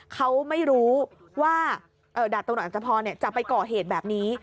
เขาไม่รู้ว่าดาบตำรวจอัตภพรจะไปก่อเหตุแบบนี้